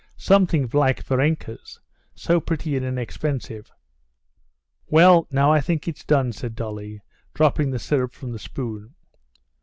Something like Varenka's. So pretty and inexpensive." "Well, now I think it's done," said Dolly, dropping the syrup from the spoon.